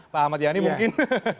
pak ahmad yani mungkin